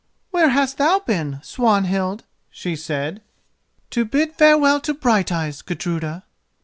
"Where hast thou been, Swanhild?" she said. "To bid farewell to Brighteyes, Gudruda."